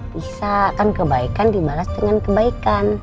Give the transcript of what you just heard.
bisa kan kebaikan dibalas dengan kebaikan